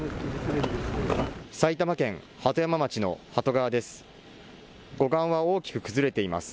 埼玉県鳩山町の鳩川です。